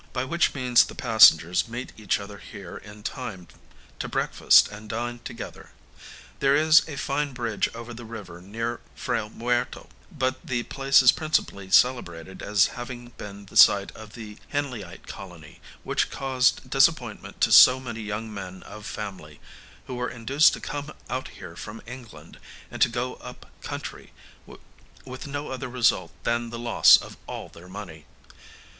by which means the passengers meet each other here in time to breakfast and dine together. There is a fine bridge over the river near Frayle Muerto, but the place is principally celebrated as having been the site of the Henleyite colony, which caused disappointment to so many young men of family, who were induced to come out here from England and to go up country, with no other result than the loss of all their money.